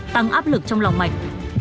tăng áp lực trong lòng mạch